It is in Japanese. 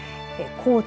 高知